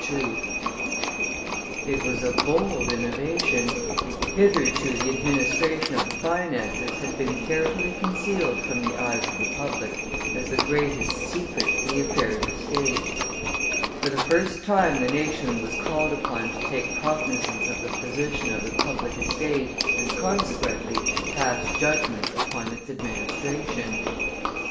It was a bold innovation; hitherto the administration of the finances had been carefully concealed from the eyes of the public as the greatest secret in the affairs of state; for the first time the nation was called upon to take cognizance of the position of the public estate, and, consequently, pass judgment upon its administration.